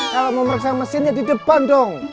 kalau mau meriksa mesinnya di depan dong